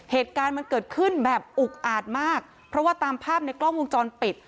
เหตุการณ์มันเกิดขึ้นแบบอุกอาจมากเพราะว่าตามภาพในกล้องวงจรปิด